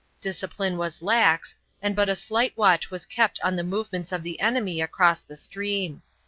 Discipline was lax, and but a slight watch was kept on the movements of the enemy across the stream.